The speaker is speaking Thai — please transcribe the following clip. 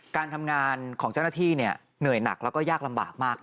การทำงานของเจ้าหน้าที่เหนื่อยหนักแล้วก็ยากลำบากมาก